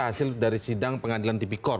hasil dari sidang pengadilan tipikor